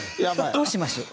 どうしましょう。